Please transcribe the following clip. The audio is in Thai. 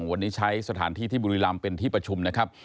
วันนี้ใช้สถานที่ที่บุรีรำเป็นที่ประชุมนะครับ